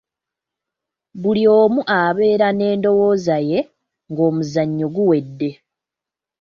Buli omu abeera n'endowooza ye ng'omuzannyo guwedde.